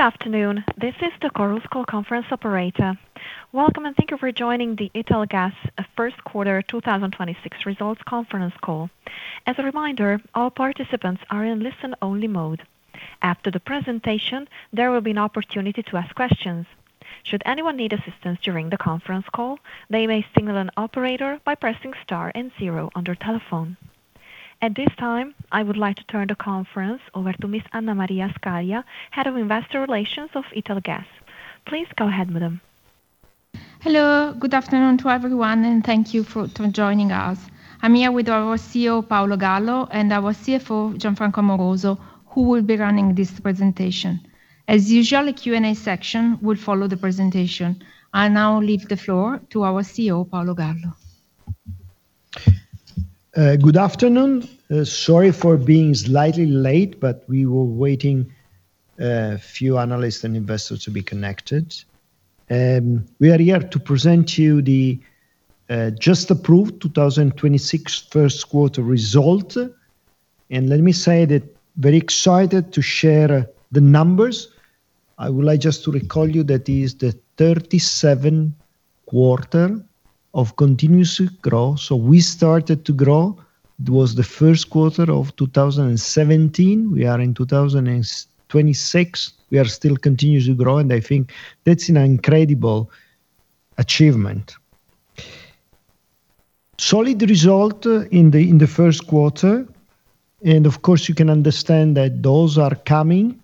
Good afternoon. This is the Chorus Call conference operator. Welcome, and thank you for joining the Italgas, first quarter 2026 results conference call. As a reminder, all participants are in listen-only mode. After the presentation, there will be an opportunity to ask questions. Should anyone need assistance during the conference call, they may signal an operator by pressing star and zero on their telephone. At this time, I would like to turn the conference over to Ms. Anna Maria Scaglia, Head of Investor Relations of Italgas. Please go ahead, madam. Hello. Good afternoon to everyone, and thank you for joining us. I'm here with our CEO, Paolo Gallo, and our CFO, Gianfranco Amoroso, who will be running this presentation. As usual, Q&A section will follow the presentation. I now leave the floor to our CEO, Paolo Gallo. Good afternoon. Sorry for being slightly late, but we were waiting a few analysts and investors to be connected. We are here to present to you the just approved 2026 first quarter result. Let me say that very excited to share the numbers. I would like just to recall you that is the 37th quarter of continuous growth. We started to grow, it was the first quarter of 2017. We are in 2026. We are still continuously growing, I think that's an incredible achievement. Solid result in the first quarter. Of course, you can understand that those are coming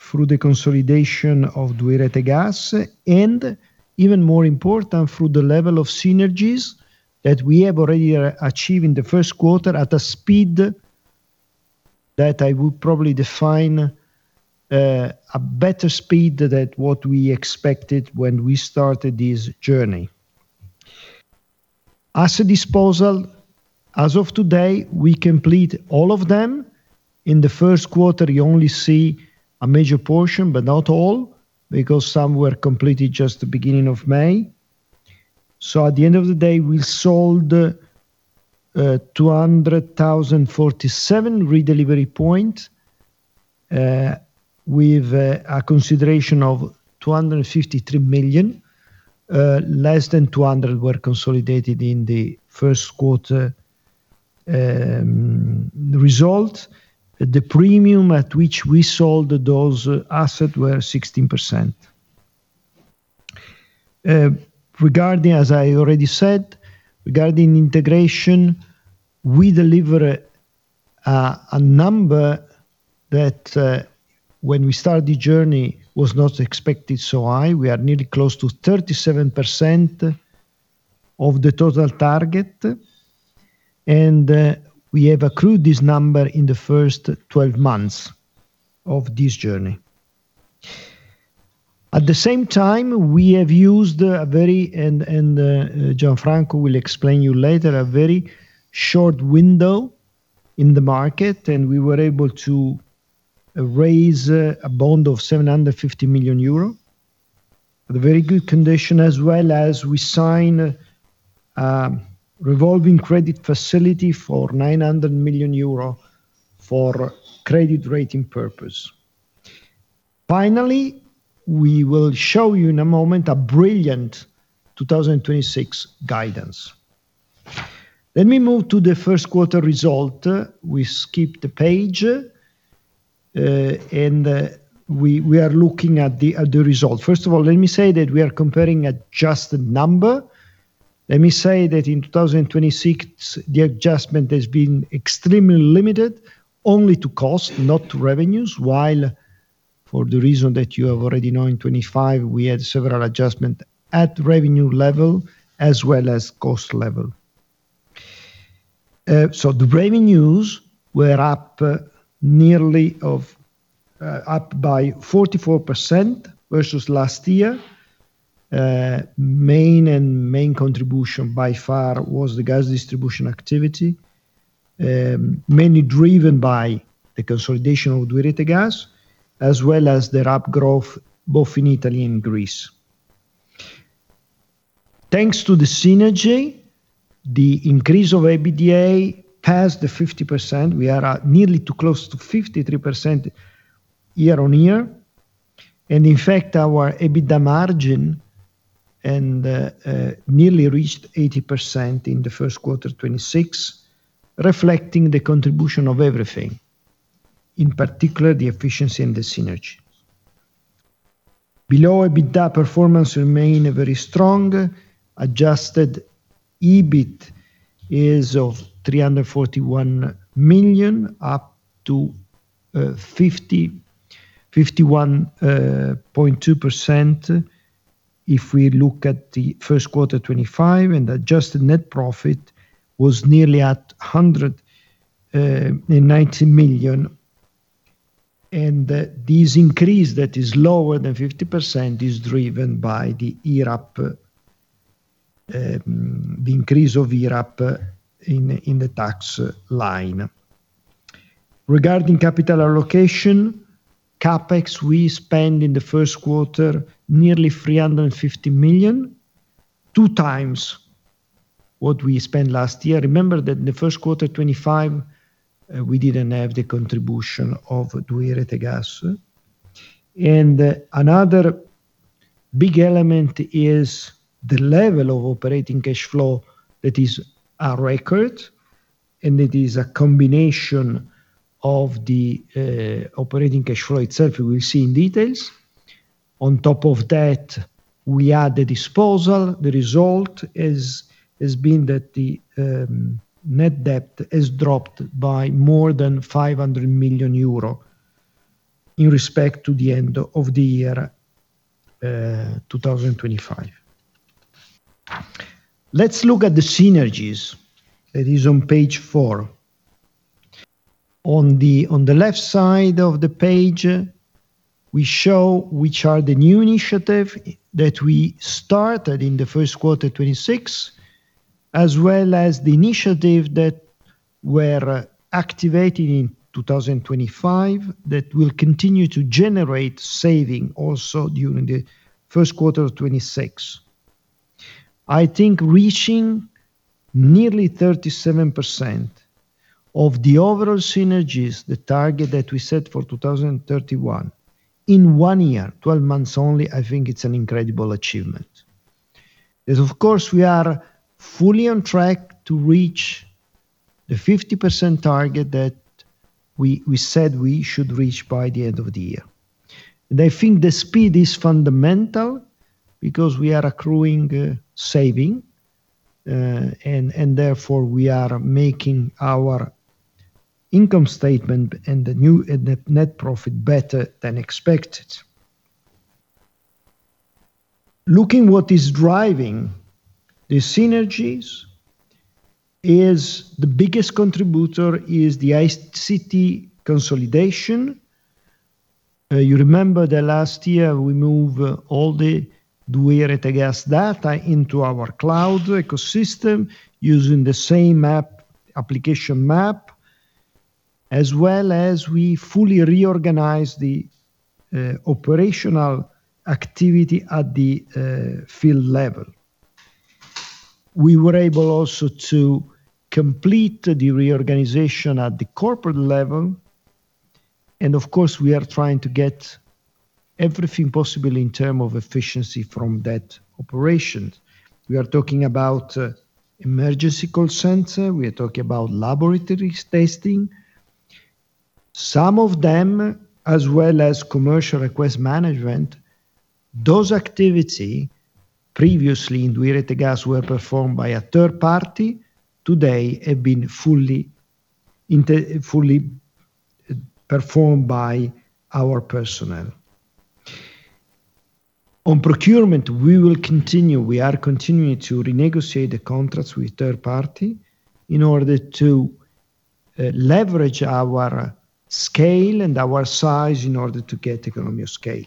through the consolidation of 2i Rete Gas and even more important, through the level of synergies that we have already achieved in the first quarter at a speed that I would probably define a better speed than what we expected when we started this journey. As a disposal, as of today, we complete all of them. In the first quarter, you only see a major portion. Not all because some were completed just the beginning of May. At the end of the day, we sold 200,047 redelivery point with a consideration of 253 million. Less than 200 were consolidated in the first quarter result. The premium at which we sold those asset were 16%. Regarding, as I already said, regarding integration, we deliver a number that when we started the journey was not expected so high. We are nearly close to 37% of the total target, and we have accrued this number in the 12 months of this journey. At the same time, Gianfranco will explain you later, we have used a very short window in the market, and we were able to raise a bond of 750 million euro at a very good condition, as well as we sign a revolving credit facility for 900 million euro for credit rating purpose. We will show you in a moment a brilliant 2026 guidance. Let me move to the first quarter result. We skip the page, we are looking at the result. First of all, let me say that we are comparing adjusted number. Let me say that in 2026, the adjustment has been extremely limited only to cost, not to revenues. For the reason that you have already known in 2025, we had several adjustment at revenue level as well as cost level. The revenues were up nearly up by 44% versus last year. Main contribution by far was the gas distribution activity, mainly driven by the consolidation of 2i Rete Gas, as well as their up growth, both in Italy and Greece. Thanks to the synergy, the increase of EBITDA passed the 50%. We are at nearly close to 53% year-on-year. In fact, our EBITDA margin nearly reached 80% in the first quarter 2026, reflecting the contribution of everything, in particular the efficiency and the synergy. Below EBITDA performance remain very strong. Adjusted EBIT is of 341 million, up to 51.2% if we look at the first quarter 2025, and adjusted net profit was nearly at 190 million. This increase that is lower than 50% is driven by the IRAP, the increase of IRAP in the tax line. Regarding capital allocation, CapEx, we spend in the first quarter nearly 350 million, 2x what we spent last year, remember that in the first quarter 2025, we didn't have the contribution of 2i Rete Gas. Another big element is the level of operating cash flow that is our record, and it is a combination of the operating cash flow itself we will see in details. On top of that, we add the disposal. The result has been that the net debt has dropped by more than 500 million euro in respect to the end of the year 2025. Let's look at the synergies that is on page four. On the left side of the page, we show which are the new initiative that we started in the first quarter 2026, as well as the initiative that were activated in 2025 that will continue to generate saving also during the first quarter of 2026. I think reaching nearly 37% of the overall synergies, the target that we set for 2031 in one year, 12 months only, I think it's an incredible achievement. Of course, we are fully on track to reach the 50% target that we said we should reach by the end of the year. I think the speed is fundamental because we are accruing saving, and therefore we are making our income statement and the new net profit better than expected. Looking what is driving the synergies is the biggest contributor is the ICT consolidation. You remember that last year we moved all the 2i Rete Gas data into our cloud ecosystem using the same app, application map, as well as we fully reorganized the operational activity at the field level. We were able also to complete the reorganization at the corporate level, and of course, we are trying to get everything possible in terms of efficiency from that operation. We are talking about emergency call center, we are talking about laboratories testing. Some of them, as well as commercial request management, those activities previously in 2i Rete Gas were fully performed by our personnel. On procurement, we will continue, we are continuing to renegotiate the contracts with third parties in order to leverage our scale and our size in order to get economies of scale.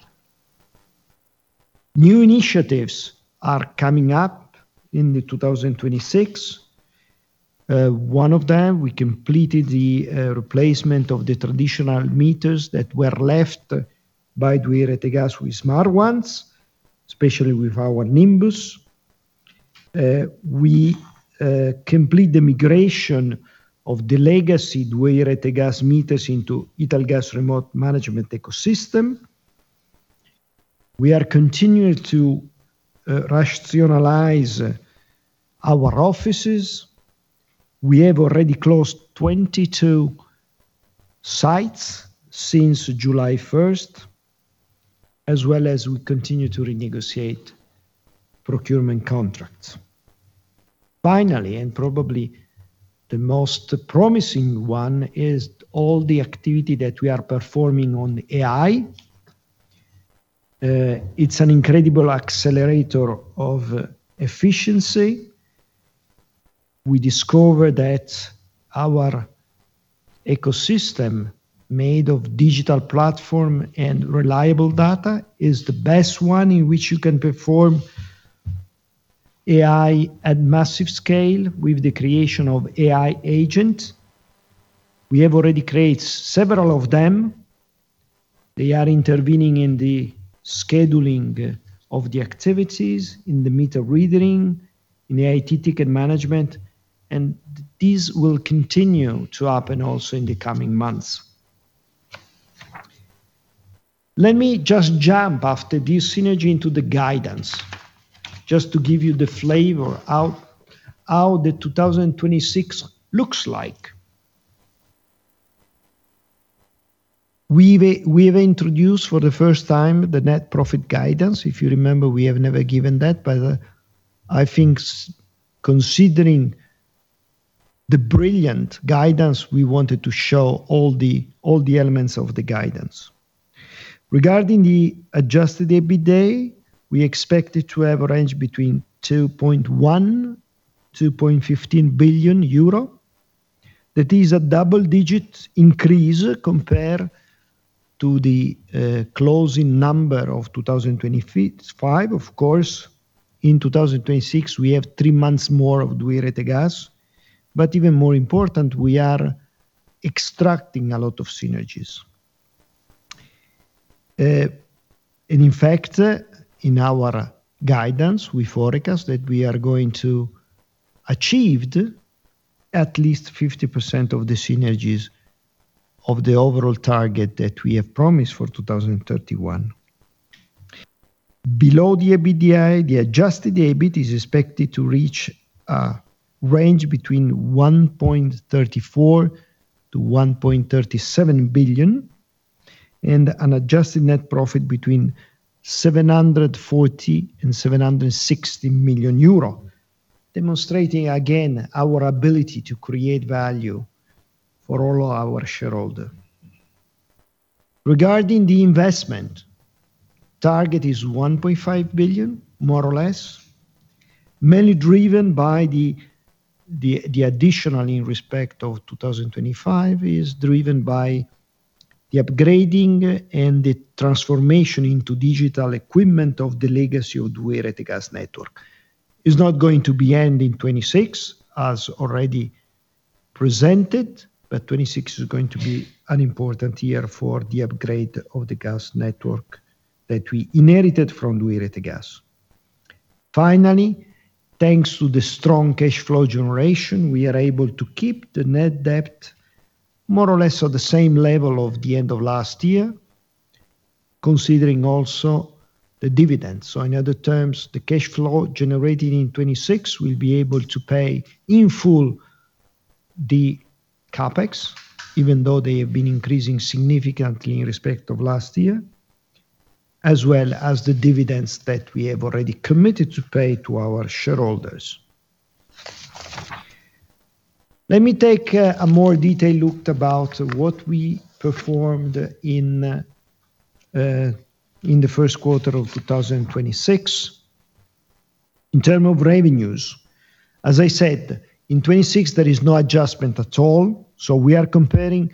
New initiatives are coming up in 2026. One of them, we completed the replacement of the traditional meters that were left by 2i Rete Gas with smart ones, especially with our Nimbus. We complete the migration of the legacy 2i Rete Gas meters into Italgas remote management ecosystem. We are continuing to rationalize our offices. We have already closed 22 sites since July 1st, as well as we continue to renegotiate procurement contracts. Finally, and probably the most promising one is all the activity that we are performing on AI. It's an incredible accelerator of efficiency. We discover that our ecosystem made of digital platform and reliable data is the best one in which you can perform AI at massive scale with the creation of AI agent. We have already created several of them. They are intervening in the scheduling of the activities, in the meter reading, in the IT ticket management, and this will continue to happen also in the coming months. Let me just jump after this synergy into the guidance, just to give you the flavor how the 2026 looks like. We have introduced for the first time the net profit guidance. If you remember, we have never given that. I think considering the brilliant guidance, we wanted to show all the elements of the guidance. Regarding the adjusted EBITDA, we expect it to have a range between 2.1 billion-2.15 billion euro. That is a double-digit increase compared to the closing number of 2025. Of course, in 2026, we have three months more of 2i Rete Gas. Even more important, we are extracting a lot of synergies. In fact, in our guidance, we forecast that we are going to achieved at least 50% of the synergies of the overall target that we have promised for 2031. Below the EBITDA, the adjusted EBIT is expected to reach a range between 1.34 billion-1.37 billion and an adjusted net profit between 740 million and 760 million euro, demonstrating again our ability to create value for all our shareholder. Regarding the investment, target is 1.5 billion, more or less, mainly driven by the additional in respect of 2025 is driven by the upgrading and the transformation into digital equipment of the legacy of 2i Rete Gas network. It's not going to be end in 2026 as already presented. 2026 is going to be an important year for the upgrade of the gas network that we inherited from 2i Rete Gas. Finally, thanks to the strong cash flow generation, we are able to keep the net debt more or less at the same level of the end of last year, considering also the dividends. In other terms, the cash flow generated in 2026 will be able to pay in full the CapEx, even though they have been increasing significantly in respect of last year, as well as the dividends that we have already committed to pay to our shareholders. Let me take a more detailed look about what we performed in the first quarter of 2026. In terms of revenues, as I said, in 2026 there is no adjustment at all, so we are comparing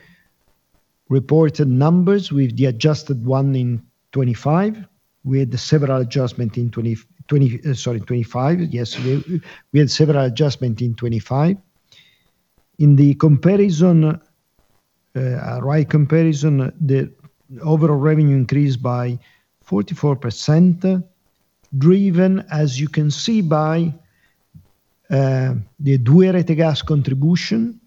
reported numbers with the adjusted one in 2025. We had several adjustments in 2025. Yes, we had several adjustments in 2025. In the comparison, right comparison, the overall revenue increased by 44%, driven, as you can see, by the 2i Rete Gas contribution,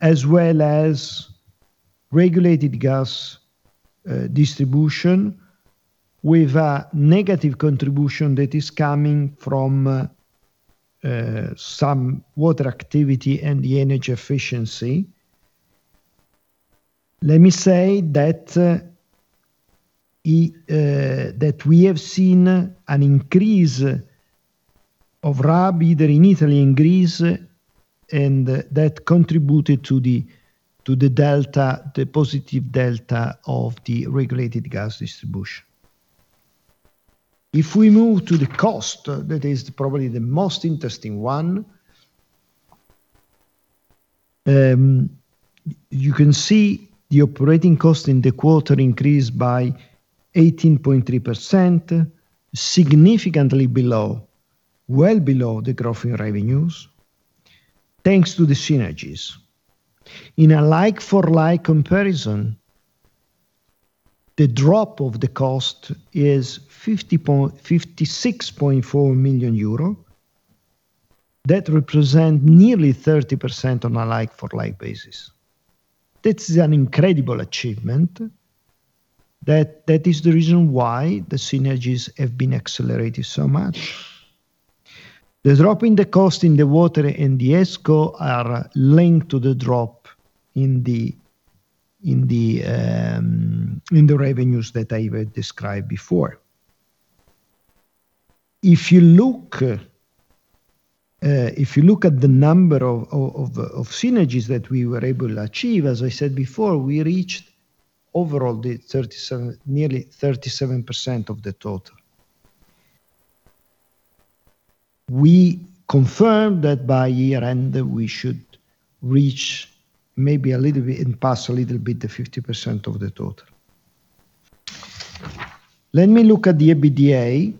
as well as regulated gas distribution with a negative contribution that is coming from some water activity and the energy efficiency. Let me say that we have seen an increase of RAB either in Italy, in Greece. That contributed to the delta, the positive delta of the regulated gas distribution. If we move to the cost, that is probably the most interesting one, you can see the operating cost in the quarter increased by 18.3%, significantly below, well below the growth in revenues, thanks to the synergies. In a like for like comparison, the drop of the cost is 56.4 million euro. That represent nearly 30% on a like for like basis. This is an incredible achievement. That is the reason why the synergies have been accelerated so much. The drop in the cost in the water and the ESCO are linked to the drop in the revenues that I described before. If you look, if you look at the number of synergies that we were able to achieve, as I said before, we reached overall the 37%, nearly 37% of the total. We confirm that by year end we should reach maybe a little bit and pass a little bit the 50% of the total. Let me look at the EBITDA,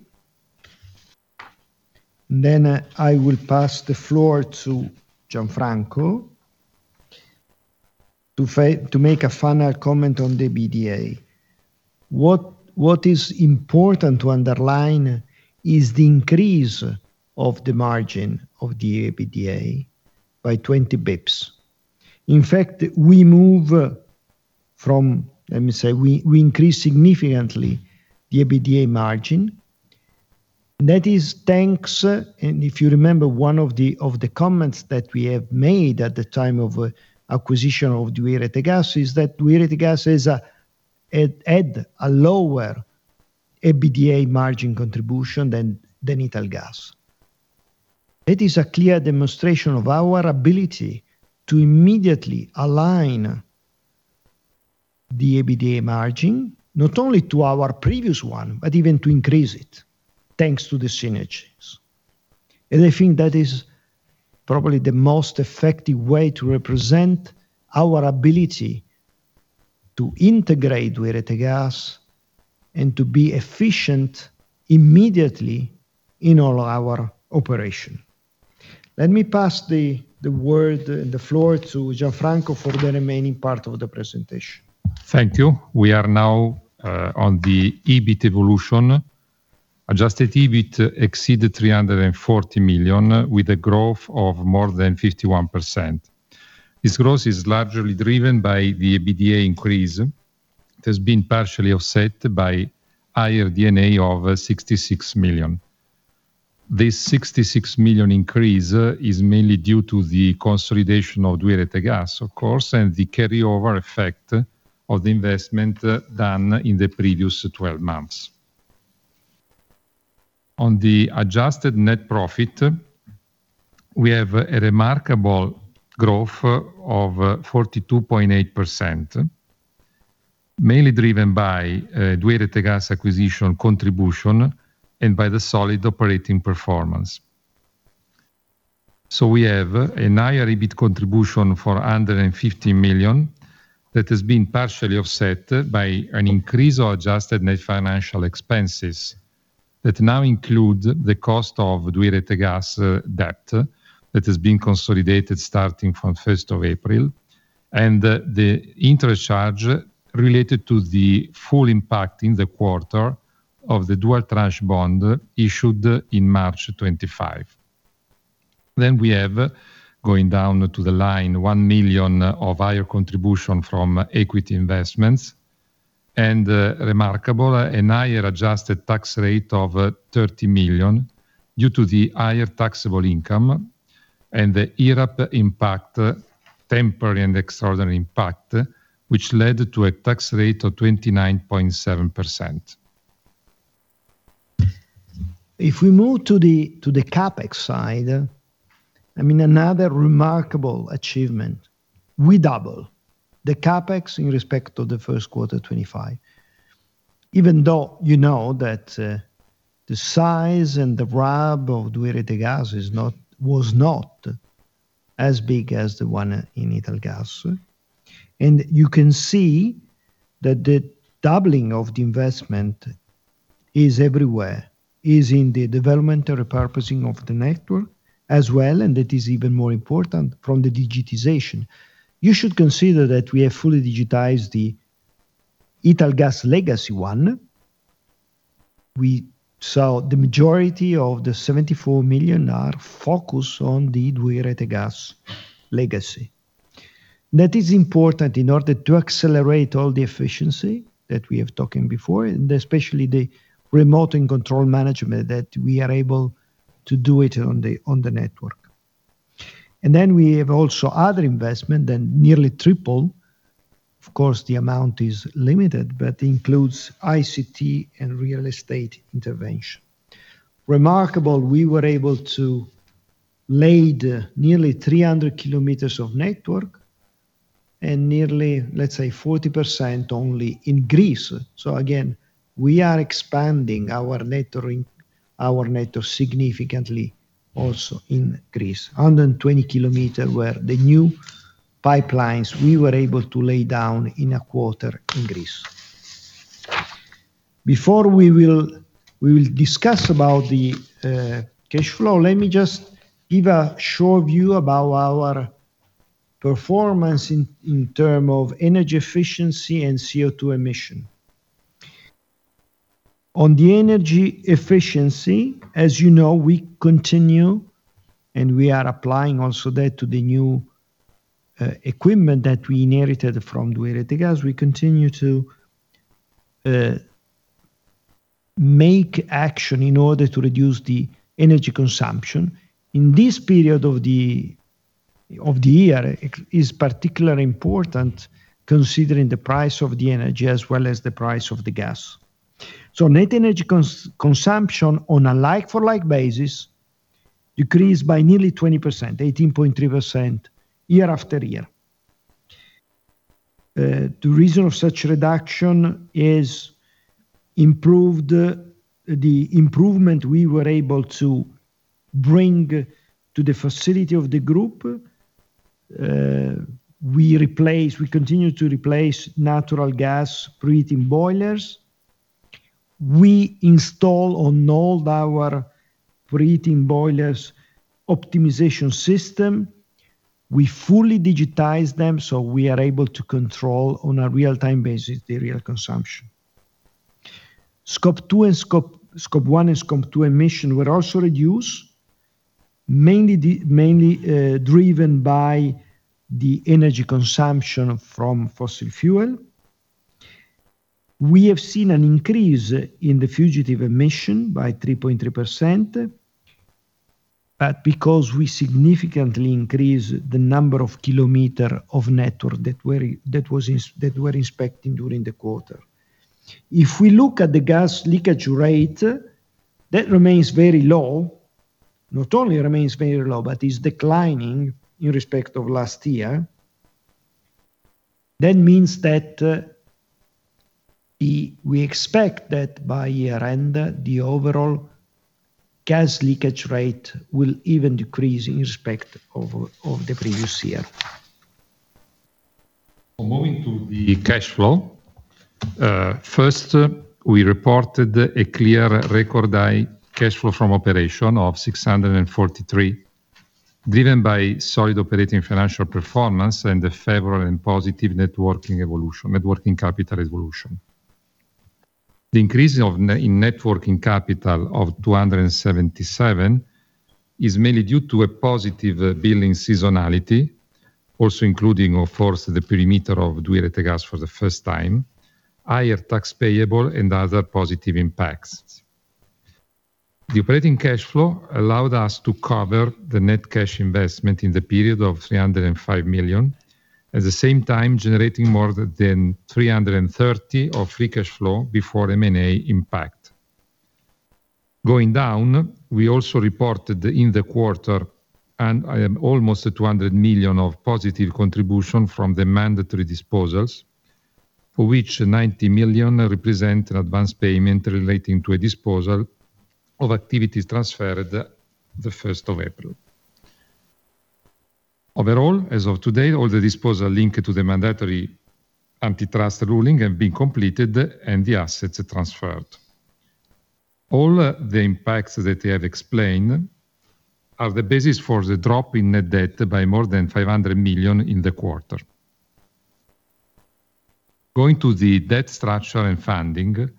and then, I will pass the floor to Gianfranco to make a final comment on the EBITDA. What is important to underline is the increase of the margin of the EBITDA by 20 basis points. In fact, Let me say, we increase significantly the EBITDA margin. That is thanks, and if you remember one of the comments that we have made at the time of acquisition of 2i Rete Gas, it had a lower EBITDA margin contribution than Italgas. It is a clear demonstration of our ability to immediately align the EBITDA margin not only to our previous one, but even to increase it, thanks to the synergies. I think that is probably the most effective way to represent our ability to integrate 2i Rete Gas and to be efficient immediately in all our operation. Let me pass the word, the floor to Gianfranco for the remaining part of the presentation. Thank you. We are now on the EBIT evolution. Adjusted EBIT exceeded 340 million with a growth of more than 51%. This growth is largely driven by the EBITDA increase that has been partially offset by higher D&A of 66 million. This 66 million increase is mainly due to the consolidation of 2i Rete Gas, of course, and the carryover effect of the investment done in the previous 12 months. On the adjusted net profit, we have a remarkable growth of 42.8%, mainly driven by 2i Rete Gas acquisition contribution and by the solid operating performance. We have a higher EBIT contribution for under 50 million that has been partially offset by an increase of adjusted net financial expenses that now include the cost of 2i Rete Gas debt that has been consolidated starting from 1st of April, and the interest charge related to the full impact in the quarter of the dual tranche bond issued in March 2025. We have, going down to the line, 1 million of higher contribution from equity investments and remarkable, a higher adjusted tax rate of 30 million due to the higher taxable income and the IRAP impact, temporary and extraordinary impact, which led to a tax rate of 29.7%. If we move to the CapEx side, I mean, another remarkable achievement. We double the CapEx in respect to the first quarter 2025, even though you know that the size and the RAB of 2i Rete Gas was not as big as the one in Italgas. You can see that the doubling of the investment is everywhere, is in the development and repurposing of the network as well, and that is even more important from the digitization. You should consider that we have fully digitized the Italgas legacy one. We saw the majority of the 74 million are focused on the 2i Rete Gas legacy. That is important in order to accelerate all the efficiency that we have talking before, and especially the remote and control management that we are able to do it on the network. We have also other investment that nearly triple. Of course, the amount is limited, but includes ICT and real estate intervention. Remarkably, we were able to lay nearly 300 km of network and nearly, let's say, 40% only in Greece. Again, we are expanding our network significantly also in Greece. 120 km were the new pipelines we were able to lay down in a quarter in Greece. Before we will discuss about the cash flow, let me just give a short view about our performance in terms of energy efficiency and CO₂ emission. On the energy efficiency, as you know, we continue and we are applying also that to the new equipment that we inherited from 2i Rete Gas. We continue to make action in order to reduce the energy consumption. In this period of the year, it is particularly important considering the price of the energy as well as the price of the gas. Net energy consumption on a like-for-like basis decreased by nearly 20%, 18.3% year after year. The reason of such reduction is the improvement we were able to bring to the facility of the group. We continue to replace natural gas preheating boilers. We install on all our preheating boilers optimization system. We fully digitize them, so we are able to control on a real-time basis the real consumption. Scope 1 and Scope 2 emission were also reduced, mainly driven by the energy consumption from fossil fuel. We have seen an increase in the fugitive emission by 3.3%, because we significantly increase the number of kilometers of network that we're inspecting during the quarter. If we look at the gas leakage rate, that remains very low. Not only remains very low, but is declining in respect of last year. That means that we expect that by year-end, the overall gas leakage rate will even decrease in respect of the previous year. Moving to the cash flow. First, we reported a clear record high cash flow from operation of 643, driven by solid operating financial performance and the favorable and positive net working capital evolution. The increase of net working capital of 277 is mainly due to a positive billing seasonality, also including, of course, the perimeter of 2i Rete Gas for the first time, higher tax payable, and other positive impacts. The operating cash flow allowed us to cover the net cash investment in the period of 305 million, at the same time generating more than 330 of free cash flow before M&A impact. Going down, we also reported in the quarter almost 200 million of positive contribution from the mandatory disposals, for which 90 million represent an advance payment relating to a disposal of activities transferred the 1st of April. Overall, as of today, all the disposal linked to the mandatory antitrust ruling have been completed, and the assets transferred. All the impacts that I have explained are the basis for the drop in net debt by more than 500 million in the quarter. Going to the debt structure and funding,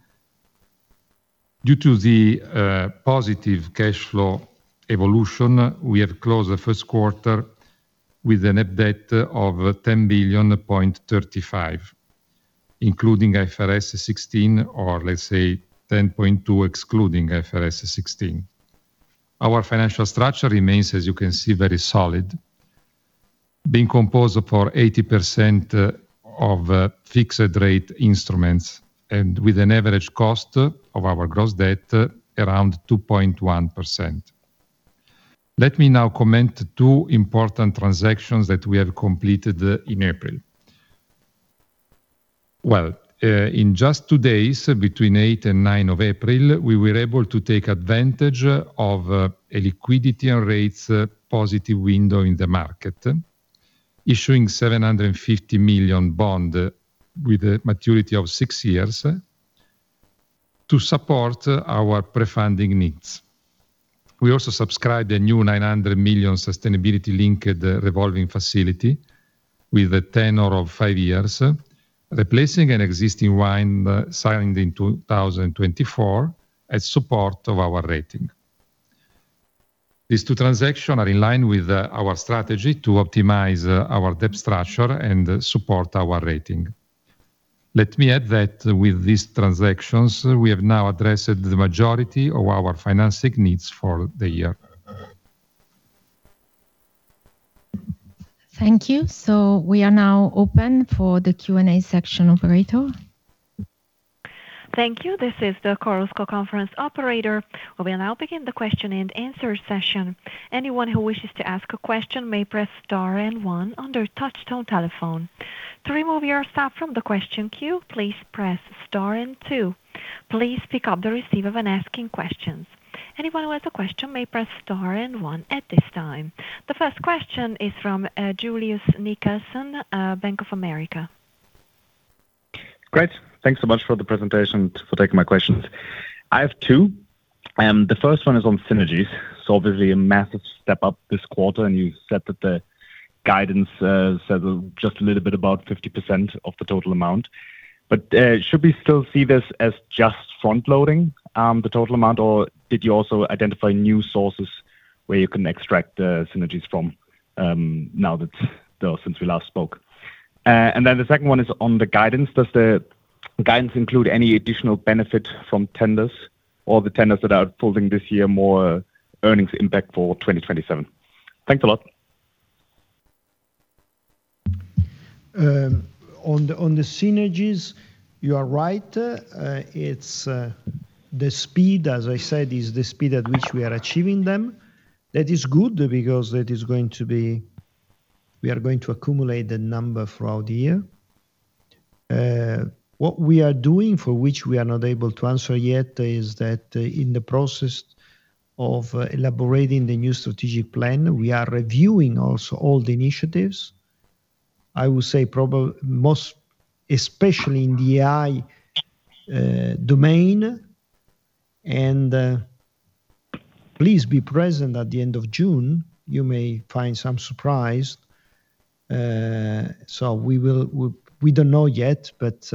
due to the positive cash flow evolution, we have closed the first quarter with a net debt of 10.35 billion, including IFRS 16 or let's say 10.2 billion excluding IFRS 16. Our financial structure remains, as you can see, very solid, being composed for 80% of fixed rate instruments and with an average cost of our gross debt around 2.1%. Let me now comment two important transactions that we have completed in April. Well, in just two days, between 8th and 9th of April, we were able to take advantage of a liquidity and rates positive window in the market, issuing 750 million bond with a maturity of six years to support our pre-funding needs. We also subscribed a new 900 million sustainability-linked revolving facility with a tenor of five years, replacing an existing one signed in 2024 as support of our rating. These two transaction are in line with our strategy to optimize our debt structure and support our rating.cLet me add that with these transactions, we have now addressed the majority of our financing needs for the year. Thank you. We are now open for the Q&A section operator. Thank you. This is the Chorus Call conference operator. We will now begin the question and answer session. Anyone who wishes to ask a question may press star and one on their touchtone telephone. To remove yourself from the question queue, please press star and two. Please pick up the receiver when asking questions. Anyone who has a question may press star and one at this time. The first question is from Julius Nickelsen, Bank of America. Great. Thanks so much for the presentation, for taking my questions. I have two. The first one is on synergies. Obviously a massive step up this quarter, and you said that the guidance said just a little bit about 50% of the total amount. Should we still see this as just front-loading the total amount? Did you also identify new sources where you can extract the synergies from, now that since we last spoke? The second one is on the guidance. Does the guidance include any additional benefit from tenders or the tenders that are unfolding this year, more earnings impact for 2027? Thanks a lot. On the synergies, you are ri ght. It's the speed, as I said, is the speed at which we are achieving them. That is good because we are going to accumulate the number throughout the year. What we are doing, for which we are not able to answer yet, is that in the process of elaborating the new strategic plan, we are reviewing also all the initiatives. I would say most especially in the AI domain. Please be present at the end of June. You may find some surprise. We don't know yet, but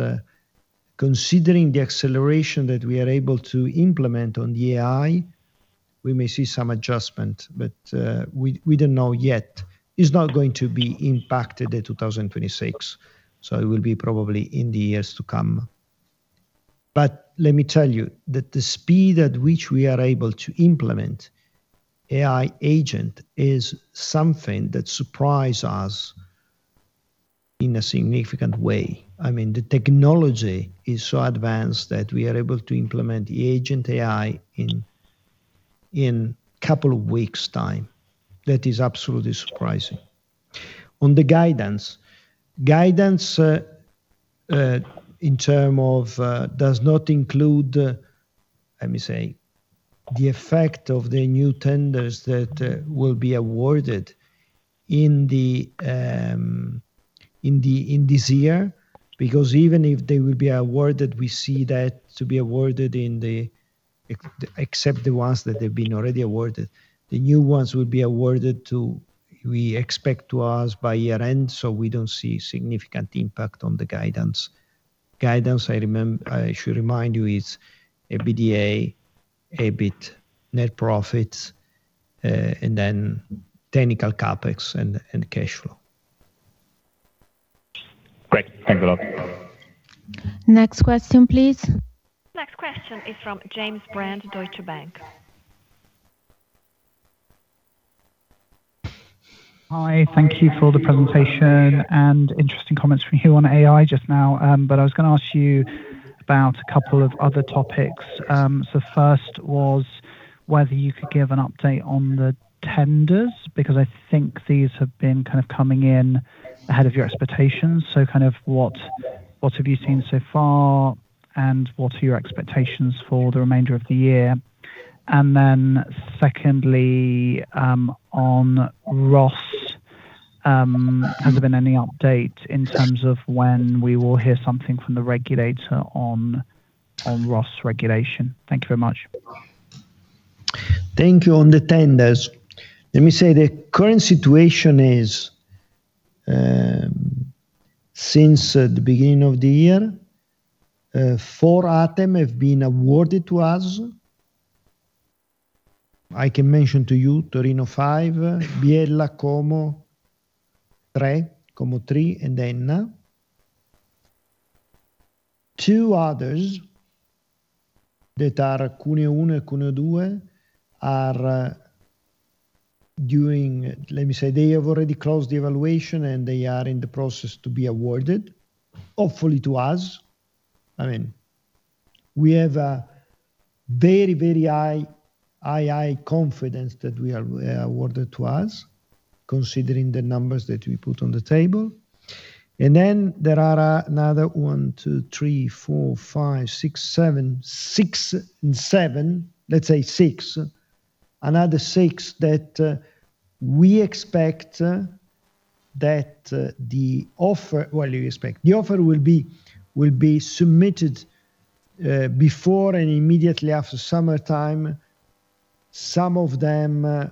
considering the acceleration that we are able to implement on the AI, we may see some adjustment. We don't know yet. It's not going to be impacted in 2026, so it will be probably in the years to come. Let me tell you that the speed at which we are able to implement AI agent is something that surprise us in a significant way. I mean, the technology is so advanced that we are able to implement the agent AI in couple of weeks' time. That is absolutely surprising. On the guidance. In terms of, does not include, let me say, the effect of the new tenders that will be awarded in the, in this year. Even if they will be awarded, we see that to be awarded except the ones that they've been already awarded. The new ones will be awarded to, we expect to us by year-end, we don't see significant impact on the guidance. Guidance, I should remind you, is EBITDA, EBIT, net profits, and then technical CapEx and cash flow. Great. Thank you a lot. Next question, please. Next question is from James Brand, Deutsche Bank. Hi. Thank you for the presentation and interesting comments from you on AI just now. I was gonna ask you about a couple of other topics. First was whether you could give an update on the tenders, because I think these have been kind of coming in ahead of your expectations. Kind of what have you seen so far, and what are your expectations for the remainder of the year? Secondly, on ROSS, has there been any update in terms of when we will hear something from the regulator on ROSS regulation? Thank you very much. Thank you. On the tenders, let me say the current situation is, since the beginning of the year, four item have been awarded to us. I can mention to you Torino 5, Biella Como 3, Como 3, and then two others that are Cuneo 1, Cuneo 2. Let me say, they have already closed the evaluation, and they are in the process to be awarded, hopefully to us. I mean, we have a very, very high confidence that we are awarded to us, considering the numbers that we put on the table. There are another six that we expect that the offer will be submitted before and immediately after summertime. Some of them,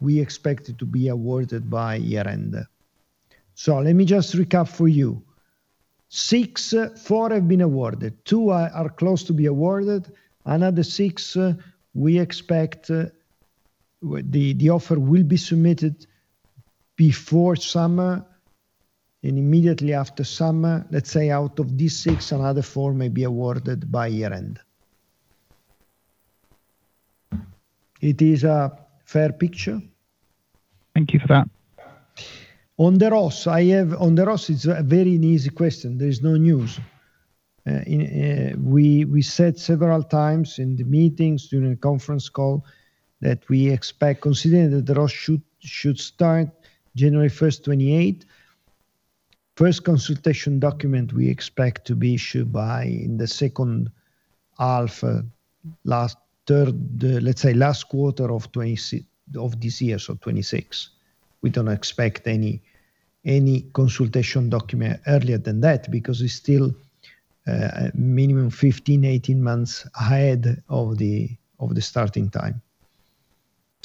we expect to be awarded by year-end. Let me just recap for you. Six, four have been awarded. Two are close to be awarded. Another six, we expect the offer will be submitted before summer and immediately after summer. Let's say out of these six, another four may be awarded by year-end. It is a fair picture. Thank you for that. On the ROSS, it's a very easy question. There is no news. We said several times in the meetings, during the conference call, that we expect, considering that the ROSS should start January 1st 2028, first consultation document we expect to be issued by the second half, last third, let's say last quarter of 2026. We don't expect any consultation document earlier than that, because it's still minimum 15, 18 months ahead of the starting time.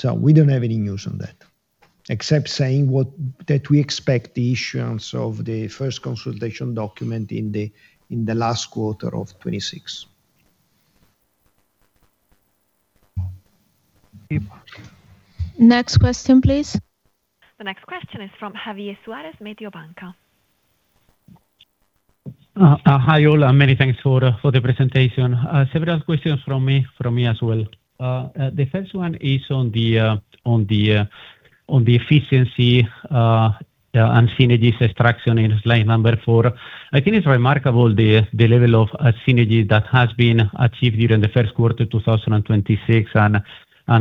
We don't have any news on that, except saying what, that we expect the issuance of the first consultation document in the last quarter of 2026. Okay. Next question, please. The next question is from Javier Suarez, Mediobanca. Hi all, many thanks for the presentation. Several questions from me as well. The first one is on the efficiency and synergies extraction in slide number four. I think it's remarkable the level of synergy that has been achieved during the first quarter 2026 and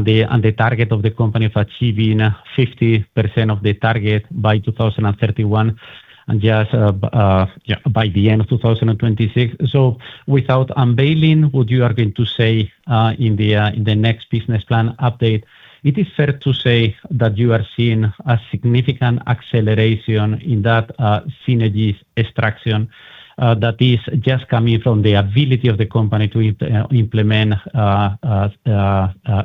the target of the company of achieving 50% of the target by 2031, just by the end of 2026. Without unveiling what you are going to say in the next business plan update, it is fair to say that you are seeing a significant acceleration in that synergies extraction that is just coming from the ability of the company to implement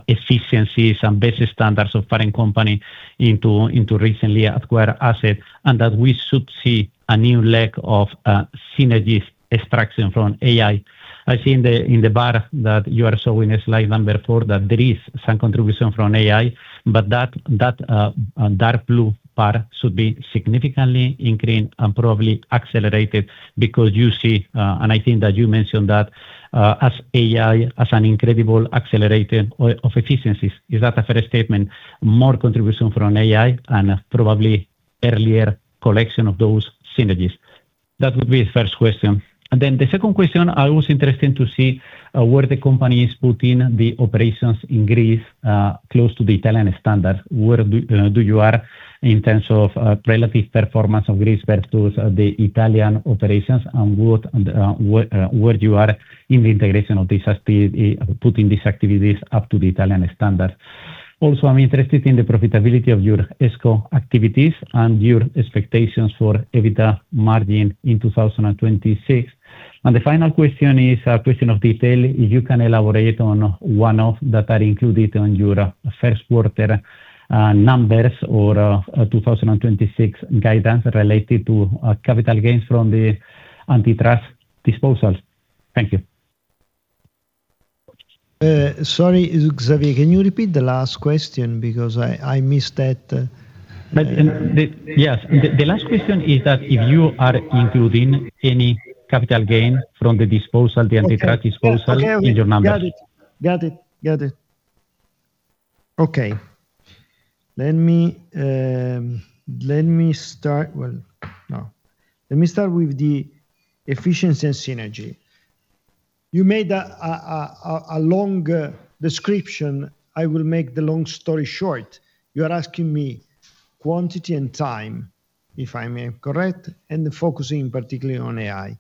efficiencies and best standards of parent company into recently acquired asset, and that we should see a new leg of synergies extraction from AI. I see in the bar that you are showing in slide number four that there is some contribution from AI, but that dark blue bar should be significantly increased and probably accelerated because you see, and I think that you mentioned that as AI as an incredible accelerator of efficiencies. Is that a fair statement? More contribution from AI and probably earlier collection of those synergies. That would be first question. The second question, I was interested to see where the company is putting the operations in Greece close to the Italian standard. Where do you are in terms of relative performance of Greece versus the Italian operations and what, and where you are in the integration of putting these activities up to the Italian standard? Also, I'm interested in the profitability of your ESCO activities and your expectations for EBITDA margin in 2026. The final question is a question of detail. If you can elaborate on one-off that are included on your first quarter numbers or 2026 guidance related to capital gains from the antitrust disposals. Thank you. Sorry, Javier, can you repeat the last question because I missed that? Yes. The last question is if you are including any capital gain from the disposal, the antitrust disposal? Okay. Yeah. Okay, okay. In your numbers. Got it. Okay. Let me start with the efficiency and synergy. You made a long description. I will make the long story short. You are asking me quantity and time, if I am correct, and focusing particularly on AI.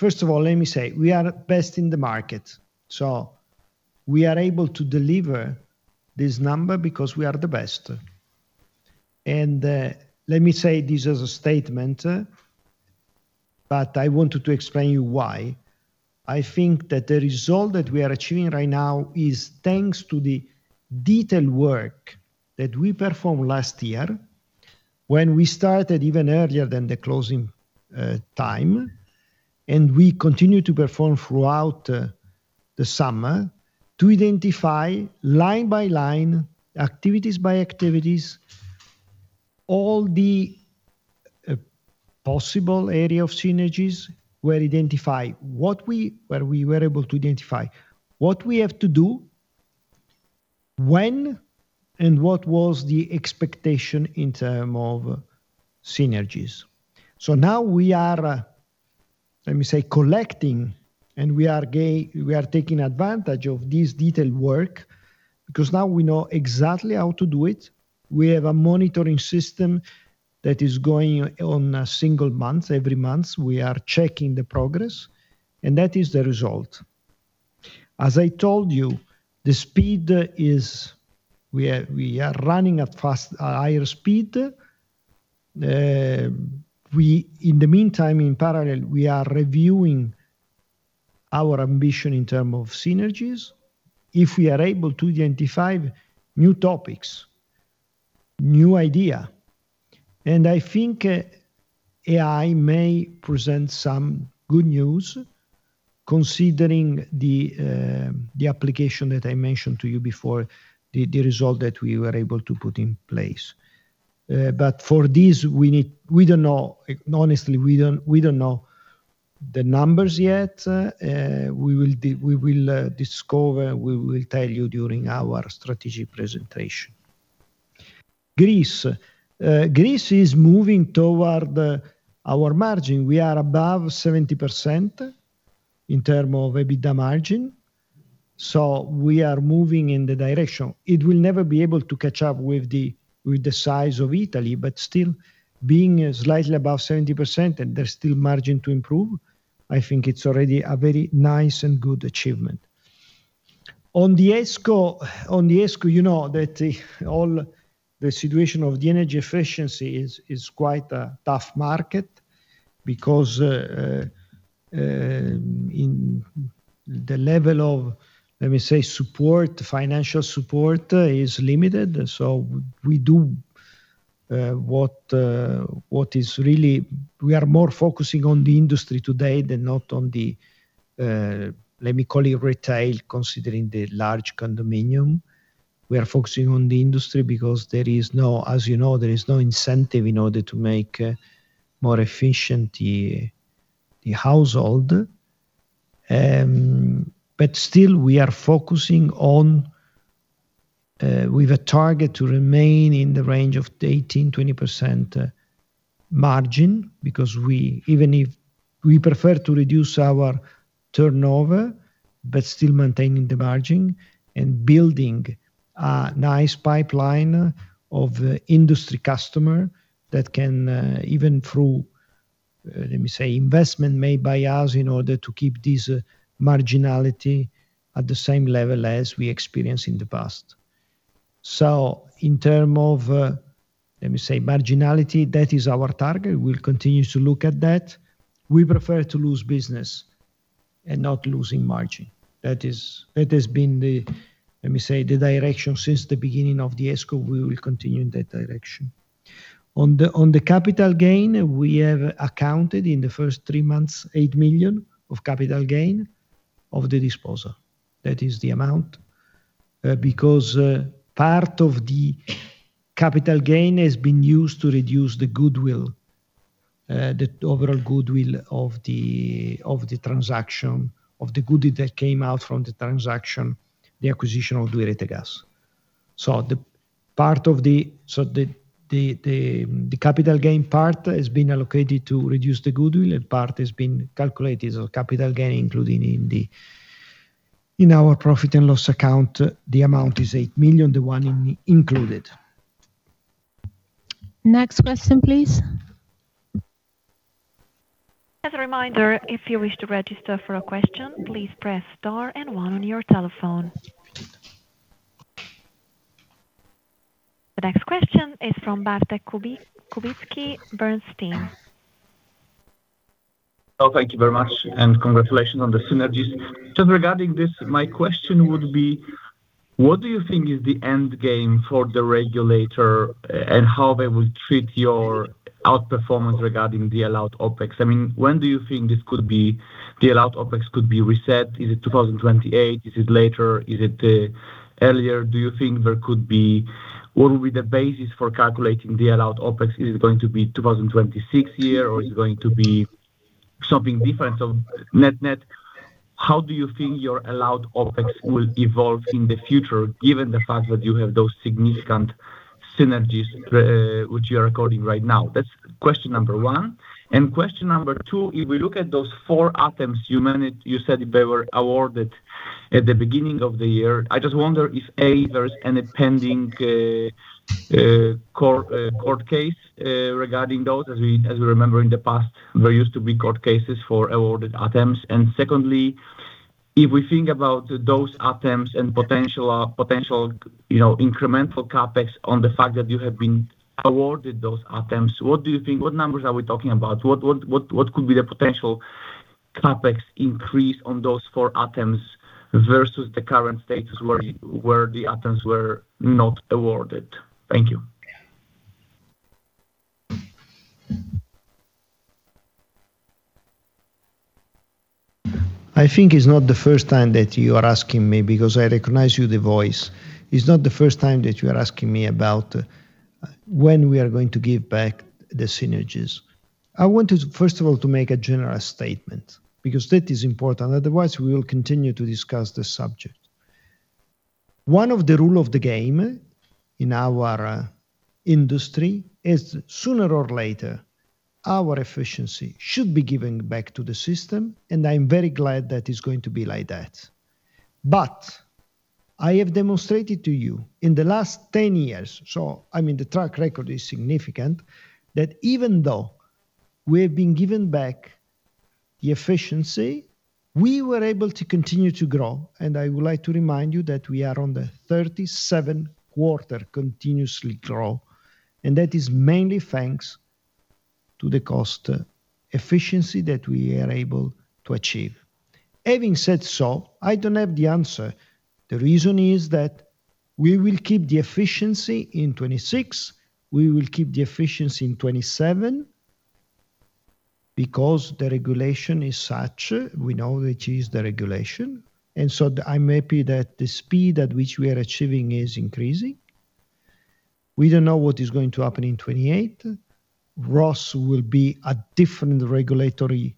First of all, let me say we are best in the market. We are able to deliver this number because we are the best. Let me say this as a statement. I wanted to explain you why. I think that the result that we are achieving right now is thanks to the detailed work that we performed last year when we started even earlier than the closing time, and we continued to perform throughout the summer to identify line by line, activities by activities, all the possible area of synergies were identified. Where we were able to identify what we have to do, when, and what was the expectation in term of synergies. Now we are, let me say, collecting, and we are taking advantage of this detailed work because now we know exactly how to do it. We have a monitoring system that is going on a single month. Every month, we are checking the progress, and that is the result. As I told you, the speed is we are running at fast, higher speed. In the meantime, in parallel, we are reviewing our ambition in term of synergies. If we are able to identify new topics, new idea, I think AI may present some good news considering the application that I mentioned to you before, the result that we were able to put in place. For this, we don't know. Honestly, we don't know the numbers yet. We will discover, we will tell you during our strategy presentation. Greece. Greece is moving toward our margin. We are above 70% in term of EBITDA margin, so we are moving in the direction. It will never be able to catch up with the, with the size of Italy, but still being slightly above 70%, and there's still margin to improve, I think it's already a very nice and good achievement. On the ESCO, you know that all the situation of the energy efficiency is quite a tough market because in the level of, let me say, support, financial support is limited. We do. We are more focusing on the industry today than not on the, let me call it retail, considering the large condominium. We are focusing on the industry because there is no, as you know, there is no incentive in order to make more efficient the household. Still we are focusing on, with a target to remain in the range of 18%-20% margin because even if we prefer to reduce our turnover, still maintaining the margin and building a nice pipeline of industry customer that can, even through, let me say, investment made by us in order to keep this marginality at the same level as we experienced in the past. In terms of, let me say, marginality, that is our target. We'll continue to look at that. We prefer to lose business and not losing margin. That has been the, let me say, the direction since the beginning of the ESCO. We will continue in that direction. On the capital gain, we have accounted in the first three months 8 million of capital gain of the disposal. That is the amount, because part of the capital gain has been used to reduce the goodwill, the overall goodwill of the transaction, of the goodwill that came out from the transaction, the acquisition of 2i Rete Gas. The capital gain part has been allocated to reduce the goodwill and part has been calculated. Capital gain including in the, in our profit and loss account, the amount is 8 million, the one included. Next question, please. As a reminder, if you wish to register for a question, please press star and one on your telephone. The next question is from Bartlomiej Kubicki, Bernstein. Thank you very much and congratulations on the synergies. Just regarding this, my question would be: what do you think is the end game for the regulator and how they will treat your outperformance regarding the allowed OpEx? I mean, when do you think this could be, the allowed OpEx could be reset? Is it 2028? Is it later? Is it earlier? What will be the basis for calculating the allowed OpEx? Is it going to be 2026 year, or is it going to be something different? Net-net, how do you think your allowed OpEx will evolve in the future given the fact that you have those significant synergies, which you are recording right now? That's question number one. Question number two, if we look at those four items you managed, you said they were awarded at the beginning of the year, I just wonder if, A., there's any pending court case regarding those? As we remember in the past, there used to be court cases for awarded items. Secondly, if we think about those items and potential, you know, incremental CapEx on the fact that you have been awarded those items, what do you think? What numbers are we talking about? What could be the potential CapEx increase on those four items versus the current status where the items were not awarded? Thank you. I think it's not the first time that you are asking me, because I recognize you, the voice. It's not the first time that you are asking me about when we are going to give back the synergies. I want to, first of all, to make a general statement, because that is important, otherwise we will continue to discuss this subject. One of the rule of the game in our industry is sooner or later, our efficiency should be given back to the system, and I'm very glad that it's going to be like that. I have demonstrated to you in the last 10 years, so I mean, the track record is significant, that even though we have been given back the efficiency, we were able to continue to grow. I would like to remind you that we are on the 37 quarter continuously grow. That is mainly thanks to the cost efficiency that we are able to achieve. Having said so, I don't have the answer. The reason is that we will keep the efficiency in 2026, we will keep the efficiency in 2027 because the regulation is such, we know it is the regulation. I'm happy that the speed at which we are achieving is increasing. We don't know what is going to happen in 2028. ROSS will be a different regulatory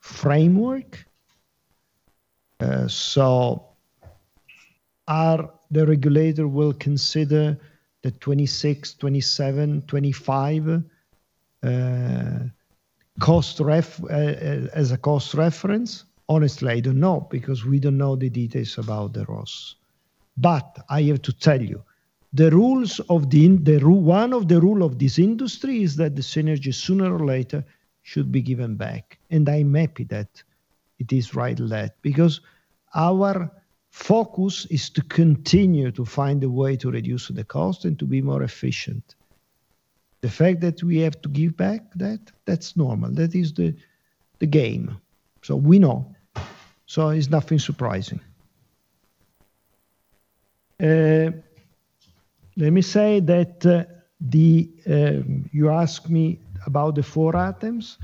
framework. Are the regulator will consider the 2026, 2027, 2025 as a cost reference? Honestly, I don't know because we don't know the details about the ROSS. I have to tell you, one of the rules of this industry is that the synergy sooner or later should be given back, and I'm happy that it is right, that because our focus is to continue to find a way to reduce the cost and to be more efficient. The fact that we have to give back that's normal. That is the game. We know. It's nothing surprising. Let me say that. You asked me about the four items.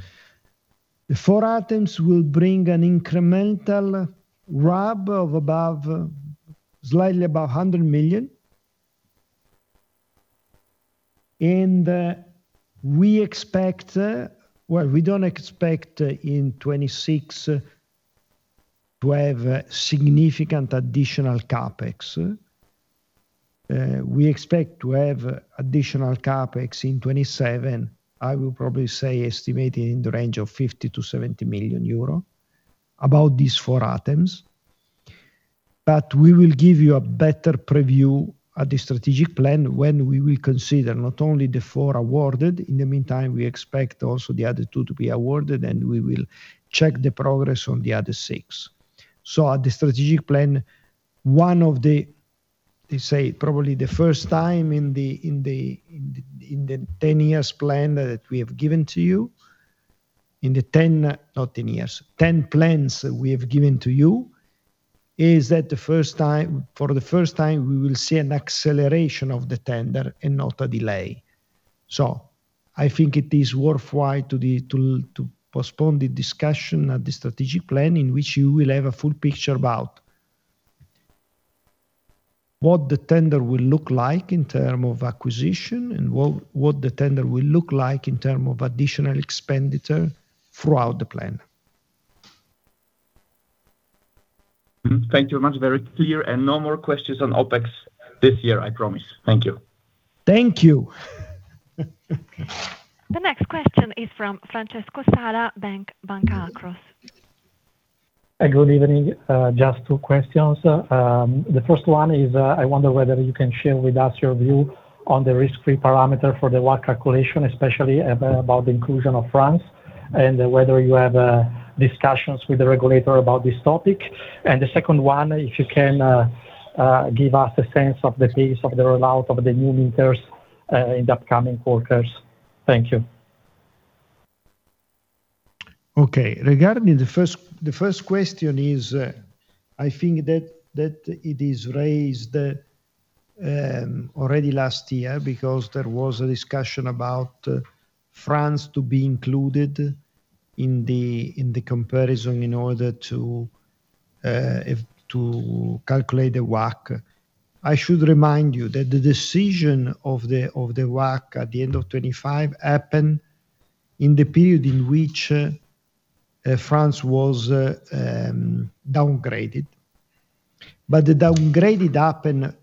The four items will bring an incremental RAB of slightly above EUR 100 million. We expect. Well, we don't expect in 2026 to have significant additional CapEx. We expect to have additional CapEx in 2027, I will probably say estimating in the range of 50 million-70 million euro about these four items. We will give you a better preview at the strategic plan when we will consider not only the four awarded. In the meantime, we expect also the other two to be awarded, and we will check the progress on the other six. At the strategic plan, one of the, let's say, probably the first time in the 10 years plan that we have given to you, not 10 years, 10 plans we have given to you, for the first time we will see an acceleration of the tender and not a delay. I think it is worthwhile to postpone the discussion at the strategic plan in which you will have a full picture about what the tender will look like in term of acquisition and what the tender will look like in term of additional expenditure throughout the plan. Thank you very much. Very clear. No more questions on OpEx this year, I promise. Thank you. Thank you. The next question is from Francesco Sala, Banca Akros. Good evening. Just two questions. The first one is, I wonder whether you can share with us your view on the risk-free parameter for the WACC calculation, especially about the inclusion of France, and whether you have discussions with the regulator about this topic. The second one, if you can give us a sense of the pace of the rollout of the new meters in the upcoming quarters. Thank you. Okay. Regarding the first question is, I think that it is raised already last year because there was a discussion about France to be included in the comparison in order to if to calculate the WACC. I should remind you that the decision of the WACC at the end of 2025 happened in the period in which France was downgraded. The downgraded happened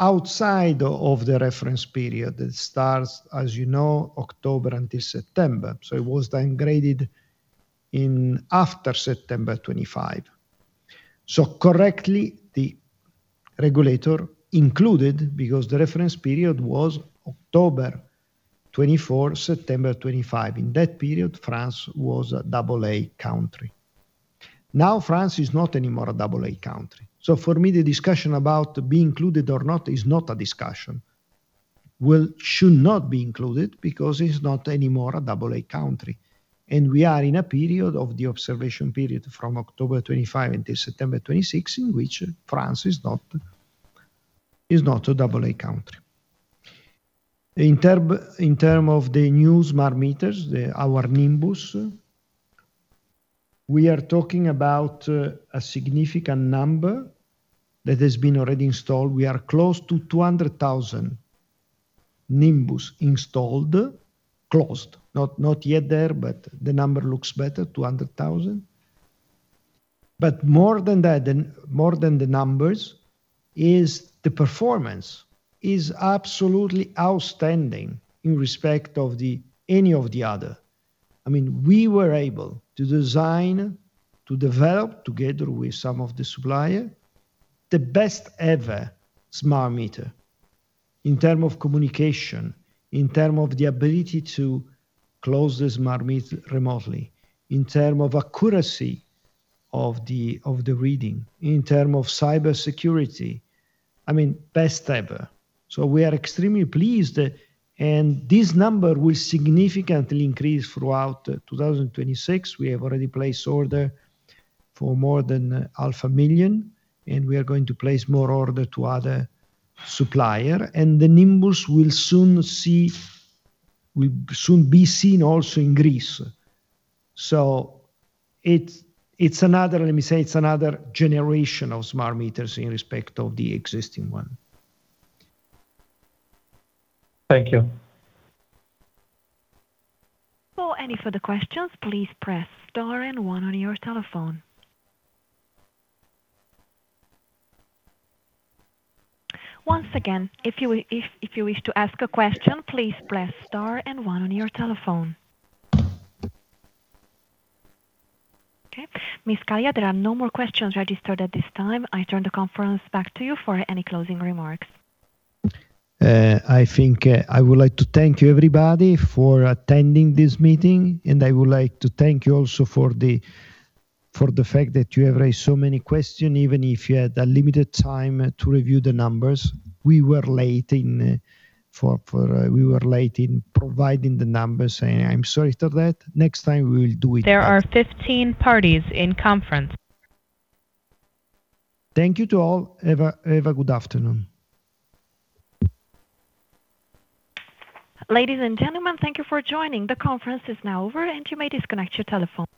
outside of the reference period. It starts, as you know, October until September. It was downgraded in after September 25. Correctly, the regulator included, because the reference period was October 24, September 25. In that period, France was a double A country. Now, France is not anymore a double A country. For me, the discussion about being included or not is not a discussion. Will should not be included because it's not anymore a double A country. We are in a period of the observation period from October 25 until September 26, in which France is not a double A country. In term of the new smart meters, our Nimbus, we are talking about a significant number that has been already installed. We are close to 200,000 Nimbus installed. Close. Not yet there, but the number looks better, 200,000. More than that, more than the numbers, is the performance is absolutely outstanding in respect of the any of the other. I mean, we were able to design, to develop together with some of the suppliers, the best ever smart meter in terms of communication, in terms of the ability to close the smart meter remotely, in terms of accuracy of the, of the reading, in terms of cybersecurity. I mean, best ever. We are extremely pleased, and this number will significantly increase throughout 2026. We have already placed orders for more than half a million, and we are going to place more orders to other suppliers. The Nimbus will soon be seen also in Greece. It's another, let me say, it's another generation of smart meters in respect of the existing one. Thank you. For any further questions, please press star one on your telephone. Once again, if you wish to ask a question, please press star one on your telephone. Okay. Ms. Scaglia, there are no more questions registered at this time. I turn the conference back to you for any closing remarks. I think, I would like to thank you everybody for attending this meeting. I would like to thank you also for the fact that you have raised so many questions, even if you had a limited time to review the numbers. We were late in providing the numbers. I'm sorry for that. Next time, we will do it better. Thank you to all. Have a good afternoon. Ladies and gentlemen, thank you for joining. The conference is now over. You may disconnect your telephone.